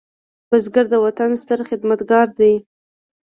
بزګر د وطن ستر خدمتګار دی